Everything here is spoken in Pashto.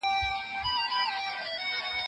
د رواجو په اساس، ټولنیز تعاملات بدلیدونکي وي.